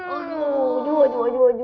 aduh jua jua jua